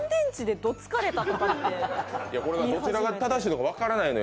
どちらが正しいのか分からないんだよ。